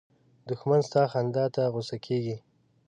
دښمن ستا خندا ته غوسه کېږي